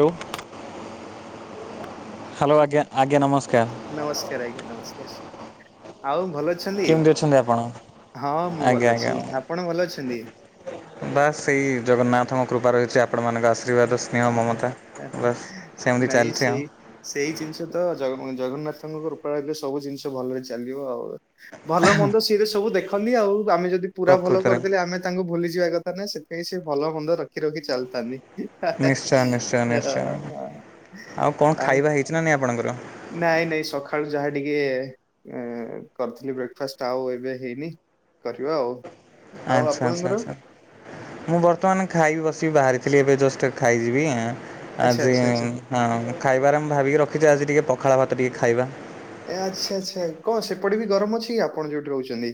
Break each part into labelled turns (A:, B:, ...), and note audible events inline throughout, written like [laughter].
A: ଲୋ hello ଆଜ୍ଞା ଆଜ୍ଞା ନମସ୍କାର।
B: ନମସ୍କାର ଆଜ୍ଞା ନମସ୍କାର। ଆଉ ଭଲ ଅଛନ୍ତି?
A: କେମିତି ଅଛନ୍ତି ଆପଣ?
B: ହଁ ମୁଁ
A: ଆଜ୍ଞା
B: ଭଲ
A: ଆଜ୍ଞା।
B: ଅଛି ଆପଣ ଭଲ ଅଛନ୍ତି?
A: ବାସ୍ ସେଇ ଜଗନ୍ନାଥଙ୍କ କୃପା ରହି ଚି ଆପଣମାନଙ୍କ ଆଶୀର୍ବାଦ ସ୍ନେହ
B: ଅ
A: ମମତା ବାସ୍ ସେମିତି
B: ନାଇଁ
A: ଚାଲିଚି
B: ସେଇ
A: ଆଉ‌।
B: ସେଇ ଜିନିଷ ତ ଜଗମଣି ଜଗନ୍ନାଥଙ୍କ କୃପା ହେଲେ ସବୁ ଜିନିଷ ଭଲରେ ଚାଲିବ ଆଉ। ଭଲ ମନ୍ଦ ସିଏ ତ ସବୁ ଦେଖନ୍ତିି ଆଉ ଆମେ ଯଦି ପୁରା ଭଲ
A: ପ୍ରକୃତରେ
B: କରିଦେଲେ ଆମେ ତାଙ୍କୁ ଭୁଲିଯିବା କଥା ନା ସେଥିପାଇଁ ସିଏ ଭଲ ମନ୍ଦ ରଖି ରଖି ଚାଲିଥାନ୍ତି। ହି
A: ନିଶ୍ଚୟ ନିଶ୍ଚୟ
B: ହା
A: ନିଶ୍ଚୟ।
B: ହା [unintelligible] ଆଉ।
A: ଚି ନା ନାଇଁ ଆପଣଙ୍କର?
B: ନାଇଁ ନାଇଁ ସଖାଳୁ ଯାହା ଟିକେ ଏଁ କରିଥିଲି ବ୍ରେକଫାଷ୍ଟ ଆଉ ଏବେ ହେଇନି। କରିବା ଆଉ। ଆଉ
A: ଆଚ୍ଛା ଆଚ୍ଛା
B: ଆପଣଙ୍କର?
A: ଆଚ୍ଛା ମୁଁ ବର୍ତ୍ତମାନ ଖାଇବି ବସିବି ବାହାରିଥିଲି। ଏବେ ଜଷ୍ଟ ଖାଇଯିବିଁ।
B: ଆଚ୍ଛା
A: ଆଜି
B: ଆଚ୍ଛା ଆଚ୍ଛା
A: ହଁ! ଖାଇବାରେ ମୁଁ ଭାବିକି ରଖିଛି ଆଜି ଟିକେ ପଖାଳ ଭାତ ଟିକେ ଖାଇବା।
B: ଏ ଆଚ୍ଛା ଆଚ୍ଛା କଣ ସେପଟେ ବି ଗରମ ଅଛି ଆପଣ ଯୋଉଠି ରହୁଛନ୍ତି?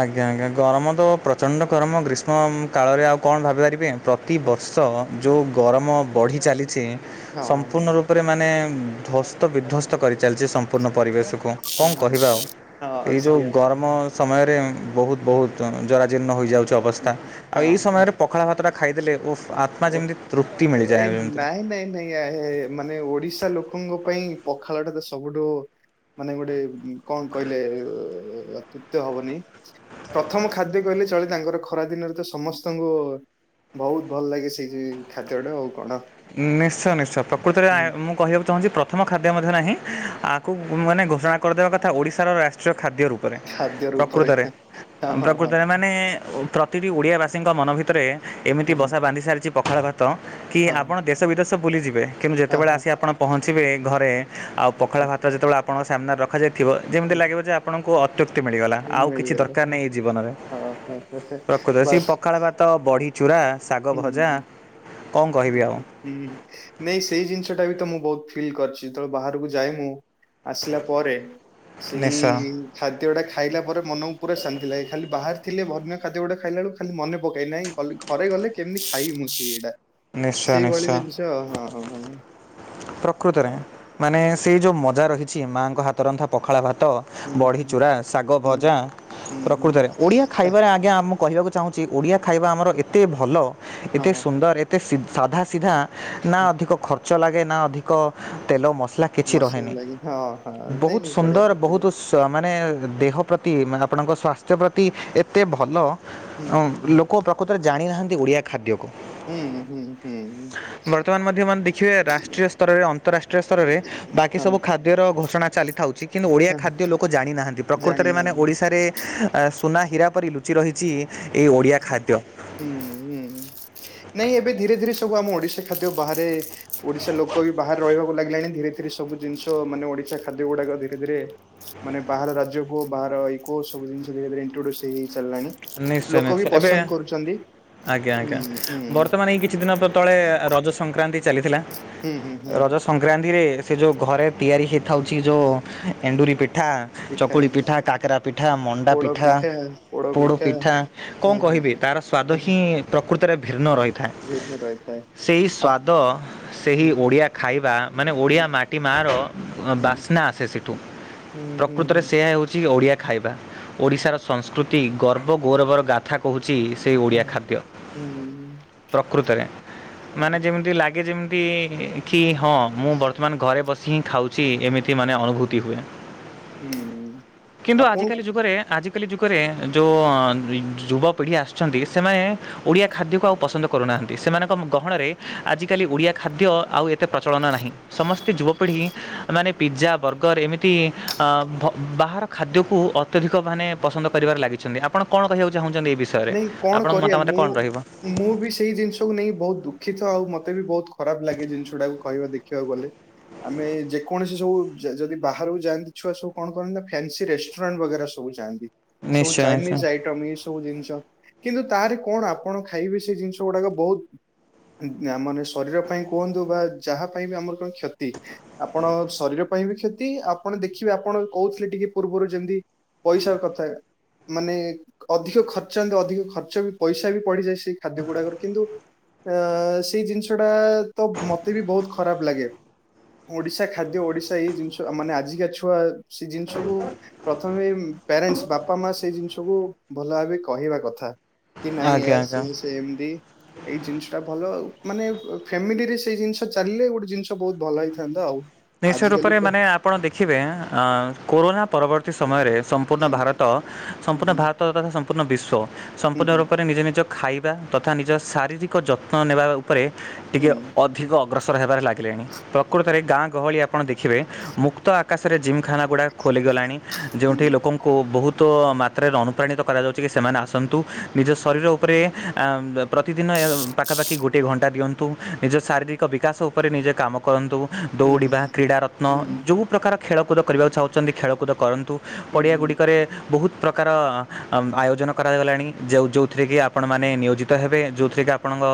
A: ଆଜ୍ଞା ଆଜ୍ଞା ଗରମ ତ ପ୍ରଚଣ୍ଡ ଗରମ ଗ୍ରୀଷ୍ମ କାଳରେ ଆଉ କଣ ଭାବିପାରିବେ? ପ୍ରତିବର୍ଷ ଯଉ ଗରମ ବଢ଼ି ଚାଲିଛି
B: ହଁ
A: ସମ୍ପୂର୍ଣ୍ଣ ରୂପରେ ମାନେ ଧ୍ଵସ୍ତ ବିଧ୍ୱସ୍ତ କରିଚାଲିଛି ସମ୍ପୂର୍ଣ୍ଣ ପରିବେଶକୁ। କଣ
B: ହଁ
A: କହିବା ଆଉ
B: ହଁ
A: ଏଇ ଯୋଉ
B: ସେଇଆ
A: ଗରମ ସମୟରେ ବହୁତ ବହୁତ ଜ ଜରାଜୀର୍ଣ୍ଣ ହୋଇଯାଉଛି ଅବସ୍ଥା। ଆଉ ଏଇ
B: ହଁ।
A: ସମୟରେ ପଖାଳ ଭାତଟା ଖାଇଦେଲେ। ଓ! ଆତ୍ମା
B: ଓ
A: ଯେମିତି ତୃପ୍ତି
B: ଏ
A: ମିଳିଯାଏ ଯେମିତି
B: [inaudible] [unintelligible] ମାନେ ଓଡିଶା ଲୋକଙ୍କ ପାଇଁ ପଖାଳଟା ତ ସବୁଠୁ ମାନେ ଗୋଟେ କଣ କହିଲେ ଅ ଅତୃପ୍ତ ହବନି। ପ୍ରଥମ ଖାଦ୍ୟ କହିଲେ ଚଳେ। ତାଙ୍କର ଖରା ଦିନରେ ତ ସମସ୍ତଙ୍କୁ ବହୁତ ଭଲ ଲାଗେ ସେ [unintelligible] ଖାଦ୍ୟଟା ଆଉ କଣ।
A: ନିଶ୍ଚୟ ନିଶ୍ଚୟ ପ୍ରକୃତରେ ଆ
B: ହୁଁ
A: ମୁଁ କହିବାକୁ ଚାହୁଁଛି ପ୍ର ପ୍ରଥମ ଖାଦ୍ୟ ମଧ୍ୟ ନାହିଁ ଆକୁ ମାନେ ଘୋଷଣା କରିଦେବା କଥା ଓଡ଼ିଶାର ରାଷ୍ଟ୍ରୀୟ ଖାଦ୍ୟ ରୂପ।
B: ଖାଦ୍ୟର ଉପରେ
A: ପ୍ରକୃତରେ
B: ହଁ ହଁ ହଁ
A: ପ୍ରକୃତରେ ମାନେ ପ୍ର ପ୍ରତିଟି ଓଡ଼ିଆବାସୀଙ୍କ ମନ ଭିତରେ ଏମିତି ବସା ବାନ୍ଧି ସାରିଛି ପଖାଳଭାତ କି
B: ହଁ
A: ଆ ଦେଶ ବିଦେଶ ବୁଲିଯିବେ କିନ୍ତୁ
B: ହଁ
A: ଯେତେବେଳେ
B: ହଁ
A: ଆସି ଆପଣ ପହଞ୍ଚିବେ ଘରେ ଆଉ ପଖାଳ ଭାତ
B: ହଁ।
A: ତ ଯେତେବେଳେ ଆପଣଙ୍କ ସାମ୍ନାରେ ରଖାଯାଇଥିବ। ଯେମିତି ଲାଗିବ ଯେ ଆପଣଙ୍କୁ ତ୍ୟୁକ୍ତି ମିଳିଗଲା ଆଉ କିଛି
B: ମିଳିଗଲା
A: ଦରକାର ନାହିଁ ଏଇ ଜୀବନରେ
B: ହଁ ହଁ ହଁ
A: ପ୍ରକୃତ ସେ
B: ବାସ୍
A: ପଖାଳ ଭା ତ ବଢ଼ି ଚୂରା, ଶାଗ ଭଜା କଣ କହିବି ଆଉ।
B: ହଁ! ନାଇଁ ସେଇ ଜିନିଷ ଟା ବି ତ ମୁଁ ବହୁତ ଫିଲ୍ କରିଛି। ଯେତେବେଳେ ବାହାରକୁ ଯାଏ ମୁଁ ଆସିଲା ପରେ
A: ନିଶ୍ଚୟ
B: ସେଇ ଖାଦ୍ୟ ଗଟା ଖାଇଲା ପରେ ମନକୁ ପୁରା ଶାନ୍ତି ଲାଗେ। ଖାଲି ବାହାରେ ଥିଲେ ଭନ୍ୟା ଖାଦ୍ୟ ଗୁଡା ଖାଇଲା ବେକୁ ଖାଲି ମନେ ପକାଇ। ନାଇଁ ଘରେ ଗଲେ କେମିତି ଖାଇ ମୁଁ ସେ ଏଇଟା
A: ନିଶ୍ଚୟ
B: ସେଇଭଳି
A: ନିଶ୍ଚୟ
B: ଜିନିଷ। ହଁ ହଁ ହଁ!
A: ପ୍ରକୃତରେ!
B: ହଁ,
A: ମାନେ ସେ ଯେଉଁ ମଜା ରହିଛି ମାଆଙ୍କ ହାତରନ୍ଧତା ପଖାଳ ଭାତ
B: ହୁଁ
A: ବଢି
B: ହୁଁ
A: ଚୁରା, ଶାଗ
B: ହୁଁ
A: ଭଜା
B: ହୁଁ ହୁଁ
A: ପ୍ରକୃତରେ ଓଡିଆ ଖାଇବାରେ ଆଗ ଆଜ୍ଞା ମୁଁ କହିବାକୁ ଚାହୁଁଛି ଓଡିଆ ଖାଇବା ଆମର ଏତେ ଭଲ,
B: ହଁ
A: ଏତେ
B: ହଁ।
A: ସୁନ୍ଦର ଏ ଏତେ ସି ସାଧା ସିଧା। ନା ଅଧିକ ଖର୍ଚ୍ଚ ଲାଗେ ନା ଅଧିକ ତେଲ ମସଲା କିଛି
B: ମସ୍ତ
A: ରହେନି
B: ଲାଗେ ହଁ ହଁ ନାଇଁ
A: ବହୁତ
B: ନାଇଁ ବଢିଆ
A: ସୁନ୍ଦର
B: କଥା ଟେ
A: ବହୁତ ସୁ ମାନେ ଦେହ ପ୍ରତି ଆପଣଙ୍କ ସ୍ୱାସ୍ଥ୍ୟ ପ୍ରତି ଏତେ ଭଲ
B: ହୁଁ
A: ଅ ଲ ଲୋକ ପ୍ରକୃତରେ ଜାଣିନାହାନ୍ତି ଓଡ଼ିଆ ଖାଦ୍ୟକୁ।
B: ହୁଁ ହୁଁ ହୁଁ ହୁଁ!
A: ବର୍ତ୍ତମାନ ମଧ୍ୟ ମାନେ ଦେଖିବେ ରାଷ୍ଟ୍ରୀୟ ସ୍ତରରେ ଅନ୍ତରାଷ୍ଟ୍ରୀୟ ସ୍ତରରେ ବାକି ସବୁ
B: ହଁ।
A: ଖାଦ୍ୟର ଘୋଷଣା ଚାଲି ଥାଉଛି କିନ୍ତୁ ଓଡିଆ
B: ହଁ।
A: ଖାଦ୍ୟ ଲୋକ ଜାଣିନାହାନ୍ତି ପ୍ରକୃତରେ ମାନେ
B: ଜାଣିନାହାନ୍ତି
A: ଓଡିଶାରେ ସୁନା ହୀରା ପରି ଲୁଚି ରହିଛି ଏଇ ଓଡ଼ିଆ ଖାଦ୍ୟ।
B: ହୁଁ ହୁଁ ନାଇଁ ଏବେ ଧୀରେ ଧୀରେ ସବୁ ଆମ ଓଡିଶା ଖାଦ୍ୟ ବାହାରେ ଓଡିଶା ଲୋକ ବି ବାହାରେ ରହିବାକୁ ଲାଗିଲାଣି ଧୀରେ ଧୀରେ ସବୁ ଜିନିଷ ମାନେ ଓଡିଶା ଖାଦ୍ୟ ଗୁଡାକ ଧୀରେ ଧୀରେ ମାନେ ବାହାର ରାଜ୍ୟକୁ ବାହାର ଇକୋ ସବୁ ଜିନିଷ ଇଣ୍ଟ୍ରୋଡ୍ୟୁସ ହେଇ ହେଇ ଚାଲିଲାଣି।
A: ନିଶ୍ଚୟ
B: ଲୋକ ବି
A: ନିଶ୍ଚୟ ଏବେ
B: ପସନ୍ଦ କରୁଛନ୍ତି
A: ଆଜ୍ଞା
B: ହୁଁ
A: ଆଜ୍ଞା
B: ହୁଁ
A: ବର୍ତ୍ତମାନ ଏଇ କିଛି ଦିନ କ ତଳେ ରଜ ସଂକ୍ରାନ୍ତି ଚାଲିଥିଲା
B: ହୁଁ ହୁଁ ହୁଁ
A: ରଜ ସଂକ୍ରାନ୍ତିରେ ସେ ଯେଉଁ ଘରେ ତିଆରି ହୋଇଥାଉଛି ଯେଉଁ ଏଣ୍ଡୁରି ପିଠା। ଚକୁଳି ପିଠା କାକରା ପିଠା ମଣ୍ଡା
B: ପୋଡ
A: ପିଠା।
B: [unintelligible]
A: ପୋଡ ପିଠା
B: ହଁ
A: କଣ
B: ହଁ
A: କହିବି ତାର
B: ହଁ
A: ସ୍ଵାଦ ହିଁ ପ୍ରକୃତରେ ଭିନ୍ନ ରହିିବ।
B: [unintelligible]
A: ସେଇ
B: ଆପ
A: ସ୍ୱାଦ ସେହି
B: ହୁଁ
A: ଓଡ଼ିଆ ଖାଇବା ମାନେ ଓଡ଼ିଆ ମାଟି ମାର
B: ହୁଁ
A: ବାସ୍ନା ଆସେ ସେଠୁ
B: ହୁଁ
A: ପ୍ରକୃତରେ ସେଆ ହେଉଛି ଓଡ଼ିଆ ଖାଇବା। ଓଡ଼ିଶାର ସଂସ୍କୃତି ଗର୍ବ ଗୌରବର ଗା ଥା କହୁଚି ସେଇ
B: ହୁଁ ହୁଁ
A: ଓଡ଼ିଆ ଖାଦ୍ୟ।
B: ହୁଁ
A: ପ୍ରକୃତରେ ମାନେ ଯେମିତି ଲାଗେ ଯେମିତି ଖୀ ହଁ ମୁଁ ବର୍ତ୍ତମାନ ଘରେ ବସି ହିଁ ଖାଉଛି ଏମିତି ମାନେ ଅନୁଭୂତି ହୁଏ।
B: ହୁଁ
A: କିନ୍ତୁ
B: ଆପଣ
A: ଆଜିକାଲି ଯୁଗରେ ଆଜିକାଲି ଯୁଗରେ ଯୋଉ ଆଁ ଯୁବପିଢ଼ି ଆସିଛନ୍ତି ସେମାନେ ଓଡ଼ିଆ ଖାଦ୍ୟକୁ ଆଉ ପସନ୍ଦ କରୁନାହାନ୍ତି। ସେମାନଙ୍କ ଗହଣରେ ଆଜିକାଲି ଓଡ଼ିଆ ଖାଦ୍ୟ ଆଉ ଏ ତେ ପ୍ରଚଳନ ନାହିଁ। ସମସ୍ତେ ଯୁବପିଢ଼ି ମାନେ ପିଜା, ବର୍ଗର ଏମିତି ତି ଆଁ ଭ ବାହାର ଖାଦ୍ୟକୁ ଅତ୍ୟଧିକ ମାନେ ପସନ୍ଦ କରିବାରେ ଲାଗିଛନ୍ତି। ଆପଣ କଣ କହିବାକୁ ଚାହୁଁଛନ୍ତି ଏ ବିଷୟରେ
B: ନାଇଁ କଣ
A: ଆପଣଙ୍କ
B: କରିବା
A: ମତାମତ
B: ମୁଁ
A: କଣ ରହିବ?
B: ମୁଁ ବି ସେଇ ଜିନିଷକୁ ନେଇ ବହୁତ ଦୁଃଖିତ। ଆଉ ମତେ ବି ବହୁତ ଖରାପ ଲାଗେ ଜିନିଷ ଲାଗେ ଜିନିଷ ଟାକୁ କହିବା ଦେଖି ଖିବାକୁ ଗଲେ। ଆମେ ଯେକୌଣସି ସବୁ ଯ-ଯଦି ବାହାରକୁ ଯାଆନ୍ତି। ଛୁଆ ସବୁ କଣ କରନ୍ତି ନା ଫ୍ୟାନ୍ସି ରେଷ୍ଟୁରାଣ୍ଟ ବଗେରା ସ ସବୁ ଯାଆନ୍ତି।
A: ନିଶ୍ଚୟ ନିଶ୍ଚୟ
B: ଚାଇନିଜ ଆଇଟମ୍ ଏଇ ସବୁ ଜିନିସ୍ କିନ୍ତୁ ତାହାରି କଣ ଆପଣ ଖାଇବେ ସେ ଜିନିଷ ଗୁଡାକ ବହୁତ ଉଁ ଆ ମାନେ ଶରୀର ପାଇଁ କୁହନ୍ତୁ ବା ଯାହା ପାଇଁ ବି ଆମର କଣ କ୍ଷତି ଆପଣ ଶରୀର ପାଇଁ ବି କ୍ଷତି ଆପଣ ଦେଖିବେ ଆପଣ କହୁଥିଲେ ଟିକେ ପୂର୍ବରୁ ଯେମିତି ପଇସା କଥା ମାନେ ଅଧିକ ଖ ର୍ଚ୍ଚାନ୍ତ ଅଧିକ ଖର୍ଚ୍ଚ ବି ପଇସା ବି ପଡିିଯାଏ ସେ ଖାଦ୍ୟ ଗୁଡାକରେ। କିନ୍ତୁ ଆ ସେଇ ଜିନିଷ ଟା ତ ମତେ ବି ବହୁତ ଖରାପ ଲାଗେ। ଓଡିଶା ଖାଦ୍ୟ ଓଡିଶା ଏଇ ଜିନିଷ ମାନେ ଆଜି କା ଛୁଆ ସେ ଜିନିଷକୁ ପ୍ରଥମେ ପ୍ୟାରେଣ୍ଟସ୍ ବାପା ମାଆ ସେଇ ଜିନିଷକୁୁ ଭଲ ଭାବେ କହିବା କଥା କି ନାଇଁ
A: ଆଜ୍ଞା
B: ଏହା
A: ଆଜ୍ଞା
B: ସେ ସେମତି। ଏଇ ଜିନିଷଟା ଭଲ ଆଉ ମାନେ ଉ ଫ୍ୟାମିଲିରେ ସେଇ ଜିନିଷ ଚାଲିଲେ ଗୋଟେ ଜିନିଷ ବହୁତ ଭଲ ହେଇଥାନ୍ତା ଆଉ।
A: ନିଶ୍ଚୟ
B: ଆଜିକାଲି
A: ରୂପରେ
B: ତ
A: ମାନେ ଆପଣ ଦେଖିବେ ଆଁ କୋରୋନା ପରବର୍ତ୍ତୀ ସମୟରେ ସମ୍ ସମ୍ପୂର୍ଣ୍ଣ
B: ହୁଁ
A: ଭାରତ
B: ହୁଁ
A: ସମ୍ପୂର୍ଣ୍ଣ ଭାରତ ତଥା ସମ୍ପୂର୍ଣ୍ଣ ବିଶ୍ୱ
B: ହୁଁ
A: ସମ୍ପୂର୍ଣ୍ଣ ରୂପରେ ନିଜେ ନିଜ ଖାଇବା ତଥା ନିଜ ଶାରୀରିକ ଯତ୍ନ ନେବା ଉପରେ
B: ହୁଁ
A: ଟିକେ ଅ ଧିକ ଅଗ୍ରସର ହେବାରେ ଲାଗିଲେଣି। ପ୍ରକୃତରେ ଗାଁ ଗହଳି ଆପଣ ଦେଖିବେ ମୁକ୍ତ ଆକାଶରେ ଜିମଖାନା ଗୁଡ଼ା ଖୋଲିଗଲାଣି। ଯେଉଁଠି
B: ହୁଁ
A: ଲୋକ କୁ ବହୁତ ମାତ୍ରାରେ ଅନୁପ୍ରାଣିତ କରାଯାଉଚି କି ସେମାନେ ଆସନ୍ତୁ ନିଜ ଶରୀର ଉପରେ ଆଁ ବ୍ ପ୍ରତିଦିନ ଏ ପାଖାପାଖି ଗୋଟଏ ଘଣ୍ଟା ଦିଅନ୍ତୁ। ନିଜ ଶାରୀରିକ ବିକାଶ ଉପରେ ନିଜେ କାମ କରନ୍ତୁ।
B: ହୁଁ ହୁଁ
A: ଦୌଡ଼ିବା କ୍ରୀଡ଼ାରତ୍ନ
B: ହୁଁ ହୁଁ
A: ଯୋଉ ପ୍ରକାର ଖେଳକୁଦ କରିବାକୁ ଚାହୁଁଚନ୍ତି ଖେଳକୁଦ କରନ୍ତୁ। ପଡ଼ିଆ
B: ହୁଁ
A: ଗୁଡ଼ିକରେ ବହୁତ ପ୍ର କାର ଆମ୍ ଆୟୋଜନ କରାଗଲାଣି। ଯେ ଯୋଉଥିରେ କି ଆପଣମାନେ ନିୟୋଜିତ ହେବେ। ଯୋଉଥିରେ ଆ ଆପଣଙ୍କ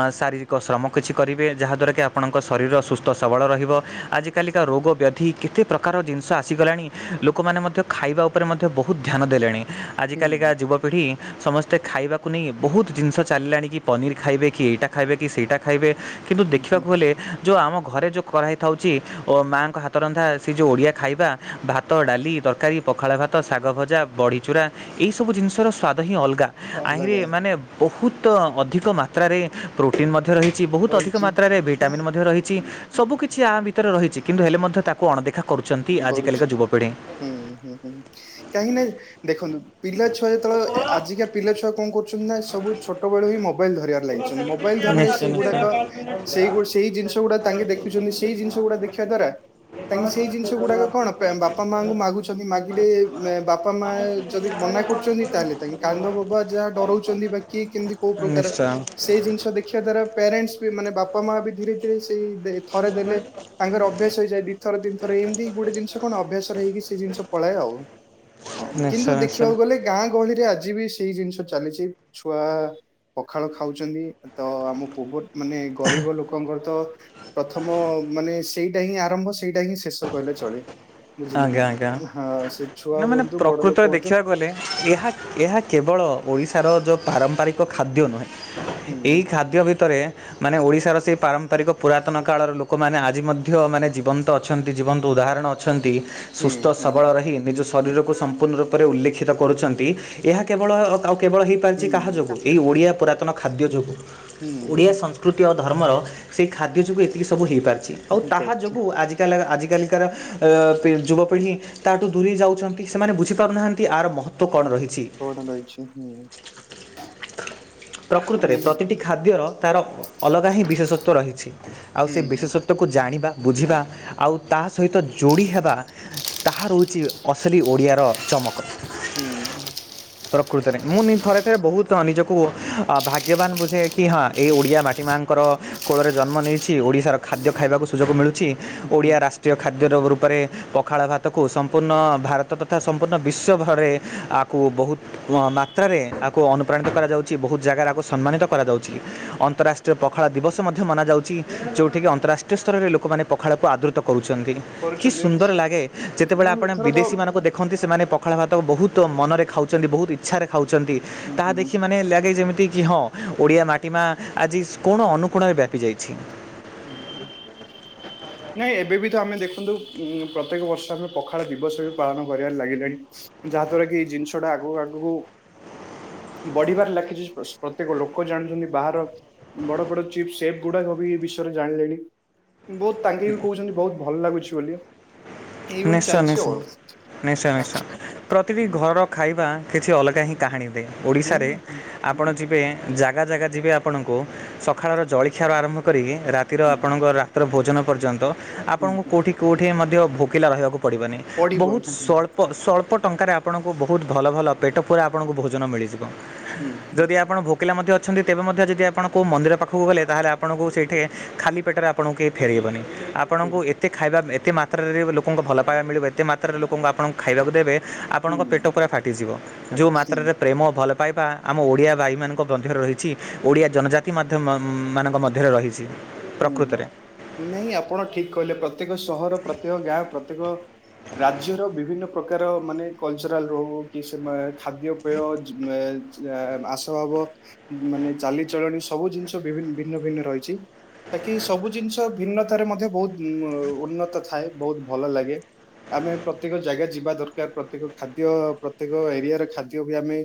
A: ଆ ଶାରୀରିକ ଶ୍ରମ କିଛି କରିବେ। ଯାହାଦ୍ୱାରା କି ଆପଣଙ୍କ ଶରୀର ସୁସ୍ଥ ସବଳ ରହି ବ ଆଜିକାଲି ରୋଗ ବ୍ୟାଧି କେତେ ପ୍ରକାର ଜିନିଷ ଆସିଗଲାଣି। ଲୋକମାନେ ମଧ୍ୟ ଖାଇବା ଉପରେ ମଧ୍ୟ ବହୁତ ଧ୍ୟାନ ଦେଲେଣି। ଆଜି
B: ହୁଁ ହୁଁ
A: କାଲିକା ଯୁବ ପିଢି ସମସ୍ତେ ଖାଇବାକୁ ନେଇ ବହୁତ ଜିନିଷ ଚାଲିଲାଣି କି ପନିର ଖାଇବେ କି ଏଇଟା ଖାଇବେ କି ସେଇଟା ଖାଇବେ କିନ୍ତୁ
B: ହୁଁ
A: ଦେଖିବାକୁ ହେଲେ ଯୋଉ ଆମ ଘରେ ଯୋଉ କରା ହେଇଥାଉଚି। ଓ ମାଆଙ୍କ ହାତ ରନ୍ଧା ସେ ଯୋଉ ଓଡିଆ ଖାଇବା ଭାତ, ଡାଲି, ତରକାରୀ ପଖାଳ ଭା ତ ଶାଗ, ଭଜା ବଡ଼ିଚୁରା ଏଇ ସବୁ ଜିନିଷର ସ୍ୱାଦ ହିଁ ଅଲଗା। ଆହିଁରେ
B: ଅଲଗା
A: ମାନେ ବହୁତ ଅଧିକ ମାତ୍ରାରେ ପ୍ରୋଟିନ୍ ମଧ୍ୟ ରହିଚି। ବହୁତ ଅଧିକ
B: ରହିଛି।
A: ମାତ୍ରାରେ
B: ହୁଁ
A: ଭିଟାମିନ୍ ମଧ୍ୟ ରହିଚି। ସବୁକିଛି ଆ ଭିତରେ ରହିଚି କିନ୍ତୁ ହେଲେ ମଧ୍ୟ ତାକୁ ଅଣଦେଖା କରୁଚନ୍ତି ଆଜିକାଲିକା ଯୁବପିଢ଼ି।
B: ହୁଁଁ ହୁଁ ହୁଁ କାହିଁକି ନା ଦେଖନ୍ତୁ ପିଲା ଛୁଆ ଯେତେବେଳେ ଆ ଆଜିକା ପିଲା ଛୁଆ କଣ କରୁଚନ୍ତି ନା ସବୁ ଛୋଟବେଳୁ ହିଁ ମୋବ ମୋବାଇଲ ଧରିବାରେ ଲାଗିଚନ୍ତି ମୋବାଇଲ ଧରିଲେ
A: ନିଶ୍ଚୟ
B: ସେଗୁଡାକ
A: ନିଶ୍ଚୟ
B: ସେଇ ସେଇ ଜିନିଷ ଗୁଡା ତାଙ୍କେ ଦେଖୁଚନ୍ତି ସେଇ ଜିନିଷ ଗୁଡା ଦେଖିବା ଦ୍ଵାରା ତାଙ୍କେ ସେଇ ଜିନିଷ ସେଗୁଡାକ କଣ ପା ବାପା ମାଆଙ୍କୁ ମାଗୁଚନ୍ତି ମାଗିଲେ ଏଁ ବାପା ମାଆ ଯଦି ମନା କରୁଚନ୍ତି ତାହେଲେ ତାଙ୍କେ କାନ୍ଦ ବୋବା ଯାହା ଡରଉଚନ୍ତି ବାକି କେମିତି କୋଉ ପ୍ରକାର
A: ନିଶ୍ଚୟ
B: ସେଇ ଜିନିଷ ଦେଖିବା ଦ୍ଵାରା ପ୍ୟାରେଣ୍ଟସ୍ ବି ମାନେ ବାପା ମା ବି ଧୀରେ ଧୀରେ ସେଇ ଦେ ଥରେ ଦେଲେ ତାଙ୍କର ଅଭ୍ୟାସ ହେଇଯାଏ ଦି ଥର ତିନ ଥର ଏମ୍ ତି ଗୋଟେ ଜିନିଷ କଣ ଅଭ୍ୟାସରେ ହେଇକି ସେ ଜିନିଷ ପଳାଏ ଆଉ ହଁ କିନ୍ତୁ
A: ନିଶ୍ଚୟ ନିଶ୍ଚୟ
B: ଦେଖିବାକୁ ଗଲେ ଲେ ଗାଁ ଗହଳିରେ ଆଜି ବି ସେଇ ଜିନିଷ ଚାଲିଛି ଛୁଆ ପଖାଳ ଖାଉଛନ୍ତି ତ ଆମ ପୂବ ମାନେ ଗରିବ ଲୋକଙ୍କର ତ ପ୍ରଥମ ମାନେ ସେଇଟା ହିଁ ଆରମ୍ଭ ସେଇଟା ହିଁ ଶେଷ କହିଲେ ଚଳେ। ବୁଝିଲି
A: ଆଜ୍ଞା
B: ନା
A: ଆଜ୍ଞା।
B: ହଁ ସେ ଛୁଆ
A: ନା ମାନେ
B: ହୁଅନ୍ତୁ ବଡ
A: ପ୍ରକୃତରେ
B: ଲୋକ ହୁଅନ୍ତୁ
A: ଦେଖିବାକୁ ଗଲେ ଏହା ଏହା କେବଳ ଓଡ଼ିଶାର ଯୋଉ ପାରମ୍ପରିକ ଖାଦ୍ୟ ନୁହେଁ।
B: ହୁଁ
A: ଏହି ଖାଦ୍ୟ ଭିତରେ ମାନେ ଓଡ଼ିଶାର ସେହି ପାରମ୍ପରିକ ପୁରାତନ କାଳର ଲୋକମାନେ ଆଜି ମଧ୍ୟ ମାନେ ଜୀବନ୍ତ ଅଛନ୍ତି ଜୀବନ୍ତ ଉଦାହରଣ ଅଛ ଛନ୍ତି
B: ହୁଁ
A: ସୁସ୍ଥ ସବଳ ରହି ନିଜସ ଶରୀରକୁ ସମ୍ପୂର୍ଣ୍ଣ ରୂପରେ ଉଲ୍ଲେଖିତ କରୁଛନ୍ତି ଏହା କେବଳ ଆଉ କେବଳ ହୋଇପାରିଚି କାହା
B: ହୁଁ
A: ଯୋଗୁଁ। ଏଇ ଓଡ଼ିଆ ପୁରାତନ ଖାଦ୍ୟ ଯୋଗୁଁ
B: ହୁଁ
A: ଓଡ଼ିଆ ସଂସ୍ କୃତି ଆଉ ଧର୍ମର ସେଇ ଖାଦ୍ୟ ଯୋଗୁ ଏତିକି ସବୁ ହୋଇପାରିଛି ଆଉ
B: ହୁଁ
A: ତାହା
B: ରହିଛି
A: ଯୋଗୁ ଆଜି [unintelligible] ଆଜିକାଲି ତାର ଓ ପି ଯୁବପିଢ଼ି ତା ଟୁ ଦୂରେଇ ଯାଉଚନ୍ତି ସେମାନେ ବୁଝିପାରୁନାହାଁନ୍ତି ଆ ର ମହତ୍ତ୍ଵ କଣ ରହିଛି।
B: କଣ ରହିଛି ହୁଁ।
A: [inaudible] ପ୍ରକୃତରେ
B: ନାଇଁ
A: ପ୍ରତିଟି ଖାଦ୍ୟର ତାର ଅଲଗା ହିଁ ବିଶେଷତ୍ଵ ରହିଛି ଆଉ
B: ହୁଁ
A: ସେ ବିଶେଷତ ତାକୁୁ ଜାଣିବା ବୁଝିବା ଆଉ ତା ସହିତ ଯୋଡ଼ି ହେବା ତାହା ରହୁଚି ଅସଲି ଓଡ଼ିଆର ଚମକ।
B: ହୁଁ
A: ପ୍ରକୃତରେ ମୁଁ ନି ଥରେ ଥରେ ବହୁତ ତ ନିଜକୁ ଅ ଭାଗ୍ୟବାନ ବୁଝେ କି ଏହା ଓଡିଆ ମାଟି ମାଙ୍କର କୋଳରେ ଜନ୍ମ ନେଇଛି ଓଡିଶାର ଖାଦ୍ୟ ଖାଇବାକୁ ସୁଯୋଗ ମିଳୁଛି
B: ହୁଁ
A: ଓଡ଼ିଆ ରାଷ୍ଟ୍ରୀୟ ଖାଦ୍ୟର ରୂପରେ ପଖାଳ ଭାତକୁ ସମ୍ପୂର୍ଣ୍ଣ ଭାରତ ତଥା ସମ୍ପୂର୍ଣ୍ଣ ବିଶ୍ଵଭରେ ଆକୁ ବୋହୁତ୍ ମ ମାତ୍ରାରେ ଆକୁ ଅନୁପ୍ରାଣିତ କରାଯାଉଚି ବୋହୁତ ଜାଗାରେ ଏହାକୁ ସମ୍ମାନିତ କରାଯାଉଛି। ଅନ୍ତରାଷ୍ଟ୍ରୀୟ ପଖାଳ ଦିବସ ମଧ୍ୟ ମନାଯାଉଚି ଯୋଉଠିକି ଅନ୍ତରାଷ୍ଟ୍ରୀୟ ସ୍ତରରେ ଲୋକମାନେ ପଖାଳକୁ ଆଦୃତ କରୁଛନ୍ତି। କି
B: କରୁଛନ୍ତି
A: ସୁନ୍ଦର ଲାଗେ ଯେତେବେଳେ
B: ମୁଁ
A: ଆପଣ
B: ଏଥର ତ
A: ବିଦେଶୀ ମାନଙ୍କୁ ଦେଖନ୍ତି ସେମାନେ ପ ପଖାଳ ଭାତ ବୋହୁତୁ ମନରେ ଖାଉଚନ୍ତି ବହୁତ ଇଚ୍ଛାରେ ଖାଉଚନ୍ତି
B: ହୁଁ
A: ତାହା
B: ହୁଁ
A: ଦେଖି ମାନେ ଲାଗେ ଯେମିତିକି ହଁ। ଓଡିଆ ମାଟି ମା ଆଜି ସ କୋଣ ଅନୁକୋଣରେ ବ୍ୟାପି ଯାଇଚି।
B: ହୁଁ
A: [inaudible]
B: ନାଇଁ ଏବେ ବି ତ ଆମେ ଦେଖନ୍ତୁ ଉଁ ପ୍ରତ୍ୟେକ ବର୍ଷ କୁ ଆମେ ପଖାଳ ଦିବସ ବି ପାଳନ କରିବାରେ ଲାଗିଲାଣି। ଯାହା ଦ୍ଵାରା କି ଜିନିଷଟା ଆଗକୁ ଆଗକୁ ବଢିବାର ଲାଗିଚି ପ୍ରତ୍ୟେକ ଲୋକ ଜାଣୁଚନ୍ତି ବାହାର ବଡ ବଡ ଚିପ୍ ସେପ୍ ଗୁଡାକ ବି ବିସ୍ ଜାଣିଲେଣି ବୋହୁତ ତାଙ୍କେ ବି କହୁଚନ୍ତି ବହୁତ ଭଲ ଲାଗୁଛି ବୋଲି। ଏଇଭଳି
A: ନିଶ୍ଚୟ
B: ଚାଲିଛି
A: ନିଶ୍ଚୟ
B: ଆଉ।
A: ନିଶ୍ଚୟ ନିଶ୍ଚୟ ପ୍ରତିଟି
B: ହୁଁ
A: ଘର ଖାଇବା କିଛି ଅଲଗା ହିଁ କାହାଣୀ ହୁଏ ଓଡ଼ିଶାରେ
B: ହୁଁ
A: ଆପଣ
B: ହୁଁ,
A: ଯିବେ ଜାଗା ଜାଗା ଯିବେ ଆପଣଙ୍କୁ ସଖାଳର ଜଳିଖିଆାର ଆରମ୍ଭ କରିକି ରାତିର
B: ହୁଁ,
A: ଆପଣଙ୍କ ରାତ୍ର ଭୋଜନ ପର୍ଯ୍ୟନ୍ତ ଆପଣଙ୍କୁ
B: ହୁଁ,
A: କୋଉଁଠି କୋଉଁଠି ମଧ୍ୟ ଭୋ ଭୋକିଲା ରହିବାକୁ ପଡିବନି
B: ପଢିବ
A: ବୋହୁତ
B: ହୁଁ ହୁଁ
A: ସୋଳ୍ପ ପ ସ୍ୱଳ୍ପ ଟଙ୍କାରେ ଆପଣଙ୍କୁ ବୋହୁତ ଭଲ ଭଲ ପେଟପୁରା ଆପଣଙ୍କୁ ଭୋଜନ ମିଳିଯିବ। ଯଦି
B: ହୁଁ
A: ଆପଣ ଭୋ ଭୋକିଲା ମଧ୍ୟ ଅଛନ୍ତି ତେବେ ମଧ୍ୟ ଯେଦି ଆପଣ କେଉଁ ମନ୍ଦିର ପାଖକୁ ଗଲେ ତାହେଲେ ଆପଣଙ୍କୁ ସେଇଠି ଖାଲି ପେଟରେ ଆପଣଙ୍କୁ କେହି ଫେରଇବନି ଆପ ଆପଣଙ୍କୁ ଏତେ ଖାଇବା ଏତେ ମାତ୍ରାରେ ଲୋକଙ୍କୁ ଭଲ ପାଇବା ମିଳିବ ଏତେ ମାତ୍ରାରେ ଲୋକଙ୍କୁ ଆପଣଙ୍କୁ ଖାଇବାକୁ ଦେବେ
B: ହୁଁ
A: ଆପଣଙ୍କ
B: ହୁଁ,
A: ପେଟ ପୁର ଫାଟିଯିବ ଯୋଉ
B: ହୁଁ,
A: ମାତ୍ରାରେ ପ୍ରେମ ଭଲ ପାଇବା ଆମ ଓଡ଼ିଆ ଭାଇମାନଙ୍କ ବନ୍ଧରେ ରହିଛି। ଓଡ଼ିଆ ଜନଜାତି ମଧ୍ୟ ମା ମାନଙ୍କ ମଧ୍ୟରେ ରହିଚି।
B: ହୁଁ ନାଇଁ ଆପଣ ଠିକ କହିଲେ ପ୍ରତ୍ୟେକ ସହର ପ୍ରତ୍ୟେକ ଗାଁ ପ୍ରତ୍ୟେକ ରାଜ୍ୟର ବିଭିନ୍ନ ପ୍ରକାର ମାନେ କଲଚରାଲ ରହୁ କି ସେ ଖାଦ୍ୟପେୟ ଆସଭାବ ମାନେ ଚାଲିଚଳଣି ସବୁ ଜିନିଷ ବିଭିନ୍ନ ଭିନ୍ନ ଭିନ୍ନ ରହିଛି। ତାକି ସବୁ ଜିନିଷ ଭିନ୍ନତାରେ ମଧ୍ୟ ବହୁତ ଉ ଉନ୍ନତ ଥାଏ, ବହୁତ ଭଲ ଲାଗେ। ଆମେ ପ୍ରତ୍ୟେକ ଜାଗା ଯିବା ଦରକାର। ପ୍ରତ୍ୟେକ ଖାଦ୍ୟ ପ୍ରତ୍ୟେକ ଏରିଆ ର ଖାଦ୍ୟ ବି ଆମେ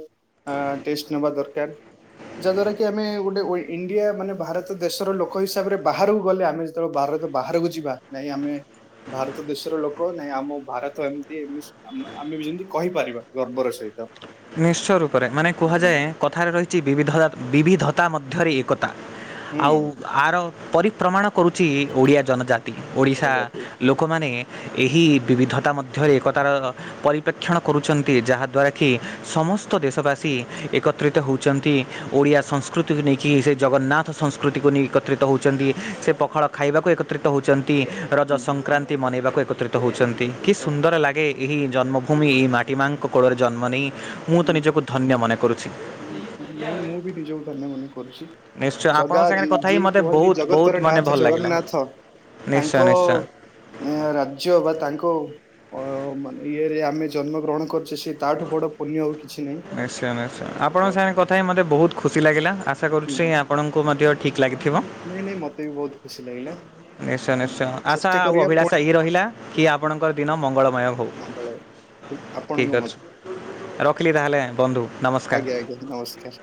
B: ଟେଷ୍ଟ ନେବା ଦରକାର୍। ଯାହାଦ୍ୱାରା କି ଆମେ ଗୋଟେ ଇଣ୍ଡିଆ ମାନେ ଭାରତ ଦେଶର ଲୋକ। ଲୋକ ହିସାବରେ ବାହାରକୁ ଗଲେ ଆମେ ଯେତେବେଳେ ବାହାର ବାହାରକୁ ଯିବା, ନାଇଁ ଆମେ ଭାରତ ଦେଶର ଲୋକ, ନାଇଁ ଆମ ଭାରତ ଏମିତି ଏମତି ଆମେ ବି ଯେମିତି କହିପାରିବା ଗର୍ବର ସହିତ।
A: ନିଶ୍ଚୟ ରୂପରେ ମାନେ କୁହାଯାଏ କଥାରେ ରହିଛିି ବିବିଧା ବିବିଧତା ମଧ୍ୟରେ ଏକତା।
B: ହୁଁ
A: ଆଉ ଆର ପରିପ୍ରମାଣ କରୁଛି ଏଇ ଓଡ଼ିଆ ଜନଜାତି। ଓଡ଼ିଶା
B: ଧନ୍ୟ ଜାତି।
A: ଲୋକମାନେ ଏହି ବିବିଧତା ମଧ୍ୟରେ ଏକତାର ପରିପ୍ରେକ୍ଷଣ କରୁଛନ୍ତି, ଯାହା ଦ୍ଵାରା କି ସମସ୍ତ ଦେଶବାସୀ ଏକତ୍ରିତ ହେଉଛନ୍ତି। ଓଡ଼ିଆ ସଂସ୍କୃତିକୁ ନେଇକି ସେ ଜଗନ୍ନାଥ ସଂସ୍କୃତିକୁ ନେଇ ଏକତ୍ରିତ ହେଉଛନ୍ତି। ସେ ପଖାଳ ଖାଇବାକୁ ଏକତ୍ରିତ ହେଉଛନ୍ତି। ରଜ
B: ହୁଁ,
A: ସଂକ୍ରାନ୍ତି ମନେଇବାକୁ ଏକତ୍ରିତ ହଉଛନ୍ତି। କି
B: ହୁଁ,
A: ସୁନ୍ଦର ଲାଗେ ଏହି ଜନ୍ମଭୂମି ମାଟି ମାଙ୍କ କୋଳରେ ଜନ୍ମ ନେଇ, ମୁଁ ତ ନିଜକୁ ଧନ୍ୟ ମନେ କରୁଛି।
B: ନାଇଁ ମୁଁ ବି ନିଜକୁ ଧନ୍ୟ ମନେ କରୁଛି।
A: ନିଶ୍ଚୟ,
B: ଜଗା
A: ଆପଣଙ୍କ
B: ଯି
A: ସାଙ୍ଗରେ କଥା କି
B: ଯିଏ
A: ମତେ
B: କୁହନ୍ତି
A: ବହୁତ୍
B: ଜଗତର
A: ବହୁତ୍ ମାନେ
B: ନାଥ
A: ଭଲ ଲାଗିଲା।
B: ଜଗନ୍ନାଥ ତାଙ୍କ
A: ନିଶ୍ଚୟ ନିଶ୍ଚୟ।
B: ରାଜ୍ୟ ବା ତାଙ୍କ ଅ ମାନେ ଇଏରେ ଆମେ ଜନ୍ମ ଗ୍ରହଣ କରୁଛେ ସେ ତାଠୁ ବଡ଼ ପୁଣ୍ୟ ଆଉ କିଛି ନାହିଁ।
A: [unintelligible] ଆପଣଙ୍କ ସାଙ୍ଗରେ କଥା ହେଇକି ମୋତେ ବହୁତ ଖୁସି ଲାଗିଲା। ଆଶା
B: ହୁଁ
A: କରୁଛି ଆପଣଙ୍କୁ ମଧ୍ୟ ଠିକ୍ ଲାଗିଥିବ?
B: ନାଇଁ ନାଇଁ, ମତେ ବି ବହୁତ ଖୁସି ଲାଗିଲା।
A: ନିଶ୍ଚୟ ନିଶ୍ଚୟ, ଆଶା
B: ଚେଷ୍ଟା
A: ଆଉ
B: କରିବା
A: ଅଭିଳାଷା
B: ପୁଣି
A: ଇ ରହିଲା। କି ଆପଣଙ୍କର ଦିନ ମଙ୍ଗଳମୟ ହଉ।
B: ମଙ୍ଗଳ
A: ଠିକ୍
B: ଆପଣଙ୍କ ମନ୍
A: ଅଛି ରଖିଲି ତାହେଲେ ବନ୍ଧୁ। ନମସ୍କାର
B: ଆଜ୍ଞା ଆଜ୍ଞା ନମସ୍କାର।